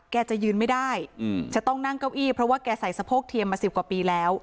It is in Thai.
จะยืนไม่ได้จะต้องนั่งเก้าอี้เพราะว่าแกใส่สะโพกเทียมมา๑๐กว่าปีแล้ว